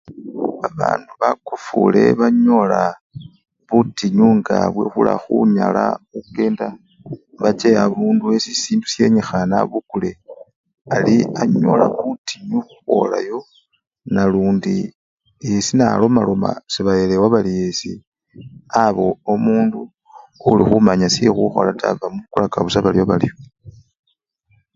Babandu bakofule banyola butinyu nga bwekhulakhunyala khukenda nache abundu esi sindu syenyikhane abukule, ali anyola butinyu khukhwolayo nalundi yesi nalomaloma sebayelewa bali yesi aba omundu olikhumanya syekhukhola taa bamubolelaka busa baryo baryo.